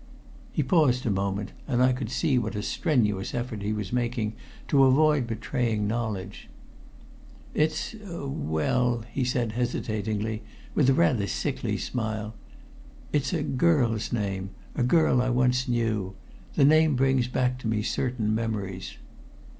He paused a moment, and I could see what a strenuous effort he was making to avoid betraying knowledge. "It's well " he said hesitatingly, with a rather sickly smile. "It's a girl's name a girl I once knew. The name brings back to me certain memories."